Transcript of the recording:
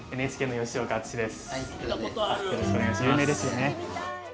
よろしくお願いします。